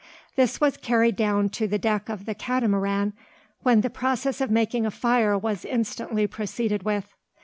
This was carried down to the deck of the Catamaran when the process of making a fire was instantly proceeded with.